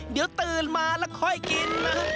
เดี๋ยวตื่นมาแล้วค่อยกิน